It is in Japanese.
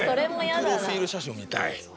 プロフィル写真を見たい。